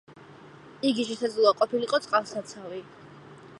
იგი შესაძლოა ყოფილიყო წყალსაცავი.